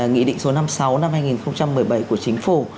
nghị định số năm mươi sáu năm hai nghìn một mươi bảy của chính phủ